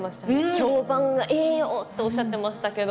評判ええよとおっしゃっていました。